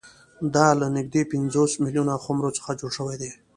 دا له نږدې پنځوس میلیونه خُمرو څخه جوړه شوې ده